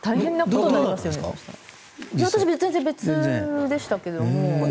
私は全然別でしたけど。